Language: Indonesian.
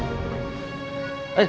kaget saya jahat